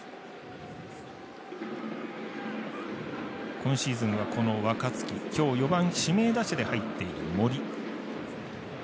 今シーズンは若月今日４番指名打者で入っている森。